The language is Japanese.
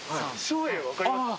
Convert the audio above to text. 照英分かります？